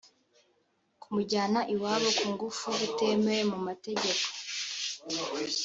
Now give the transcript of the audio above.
kumujyana iwabo ku ngufu bitemewe mu mategeko